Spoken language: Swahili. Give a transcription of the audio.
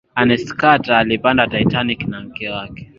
ernest carter alipanda titanic na mke wake